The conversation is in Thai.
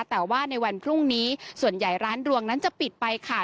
แต่ว่าในวันพรุ่งนี้ส่วนใหญ่ร้านดวงนั้นจะปิดไปค่ะ